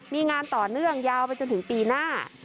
มีงานต่อเนื่องยาวไปจนถึงปีหน้า